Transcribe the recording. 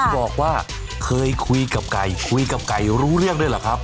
บอกว่าเคยคุยกับไก่คุยกับไก่รู้เรื่องด้วยเหรอครับ